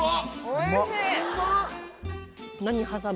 おいしい。